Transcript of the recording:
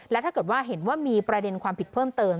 และถ้าเกิดว่าเห็นว่ามีประเด็นความผิดเพิ่มเติม